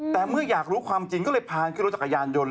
แต่เมื่ออยากรู้ความจริงก็เลยพาขึ้นรถจักรยานยนต์